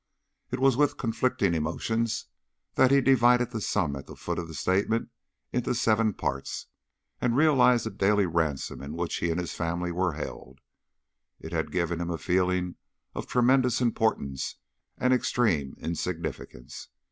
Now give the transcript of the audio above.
It was with conflicting emotions that he had divided the sum at the foot of the statement into seven parts and realized the daily ransom in which he and his family were held; it had given him a feeling of tremendous importance and extreme insignificance.